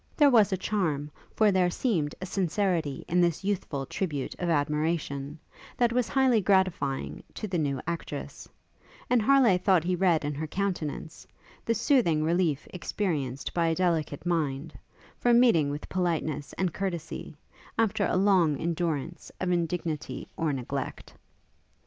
There was a charm, for there seemed a sincerity in this youthful tribute of admiration, that was highly gratifying to the new actress; and Harleigh thought he read in her countenance, the soothing relief experienced by a delicate mind, from meeting with politeness and courtesie, after a long endurance of indignity or neglect.